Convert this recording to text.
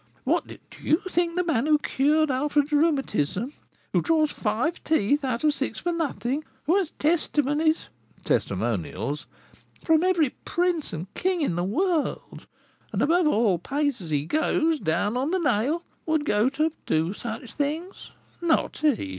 What, do you think the man who cured Alfred's rheumatism, who draws five teeth out of six for nothing, who has testimonies (testimonials) from every prince and king in the world, and, above all, pays as he goes, down on the nail, would go for to do such things? Not he!